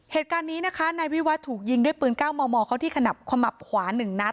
เหตุการณ์นี้นะคะนายวิวัฒน์ถูกยิงด้วยปืนก้าวมอวมอว์เขาที่ขนับความหับขวาน๑นัท